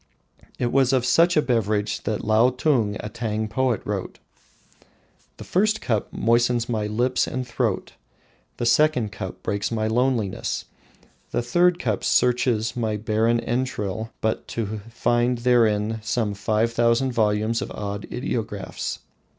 It was of such a beverage that Lotung, a Tang poet, wrote: "The first cup moistens my lips and throat, the second cup breaks my loneliness, the third cup searches my barren entrail but to find therein some five thousand volumes of odd ideographs.